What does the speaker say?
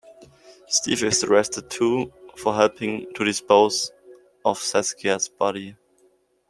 Steve is arrested too for helping to dispose of Saskia's body.